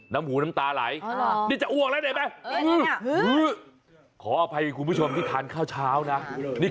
น้ำหูน้ำตาไหลร้อร์นี่จะอวกแล้วเนี่ย